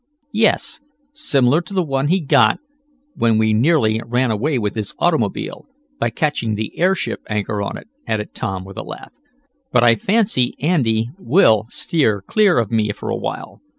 "Yes, similar to the one he got when we nearly ran away with his automobile, by catching the airship anchor on it," added Tom with a laugh. "But I fancy Andy will steer clear of me for a while.